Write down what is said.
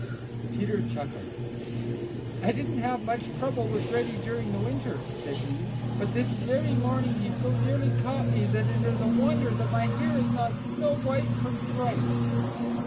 Peter chuckled. "I didn't have much trouble with Reddy during the winter," said he, "but this very morning he so nearly caught me that it is a wonder that my hair is not snow white from fright."